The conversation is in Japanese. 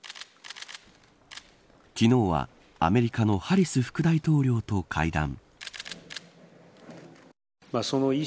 昨日はアメリカのハリス副大統領と会談。